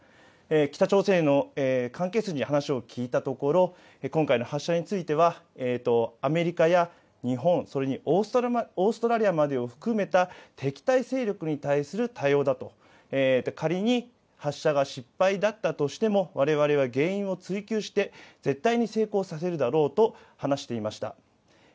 北朝鮮の関係筋に話を聞いたところ、今回の発射については、アメリカや日本、それにオーストラリアまでを含めた敵対勢力に対する対応だと、仮に発射が失敗だったとしても、われわれは原因を追究して、絶対に成功させるだろうと話していました。